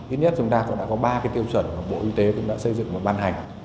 ít nhất chúng ta cũng đã có ba cái tiêu chuẩn mà bộ y tế cũng đã xây dựng và ban hành